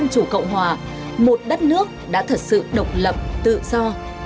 những người dân chủ cộng hòa một đất nước đã thật sự độc lập tự do